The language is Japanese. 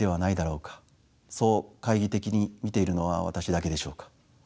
そう懐疑的に見ているのは私だけでしょうか？